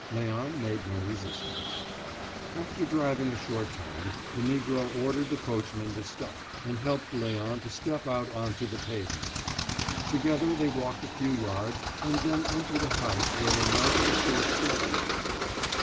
Léon made no resistance. After driving a short time the Negro ordered the coachman to stop, and helped Léon to step out on to the pavement. Together they walked a few yards, and then entered a house where they mounted a short staircase.